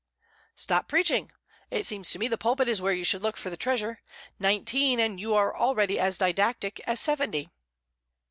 "Stop preaching. It seems to me the pulpit is where you should look for the treasure. Nineteen, and you are already as didactic as seventy."